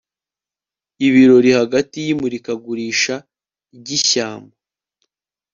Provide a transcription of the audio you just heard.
Ibirori hagati yimurikagurisha ryishyamba